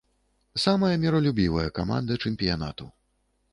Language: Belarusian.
Самая міралюбівая каманда чэмпіянату.